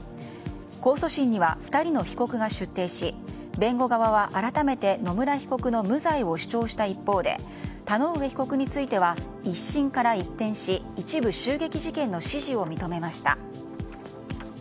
控訴審には２人の被告が出廷し弁護側は改めて野村被告の無罪を主張した一方で田上被告については１審から一転し一部、襲撃事件の指示を認めました。